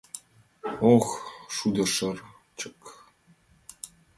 — Ох, шудышырчык!